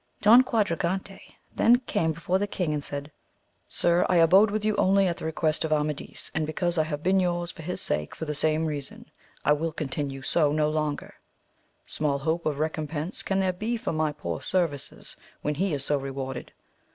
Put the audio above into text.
Don Quadragante then came before the king and said, Sir, I abode with you only at the request of Amadis, and because I have been yours for his sake, for the same reason I will continue so no longer ; small hope of recompense can there be for my poor services when he is so re warded